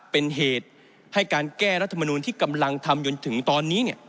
เป็นเหตุให้การแก้รัฐมนูลที่กำลังทำจนถึงตอนนี้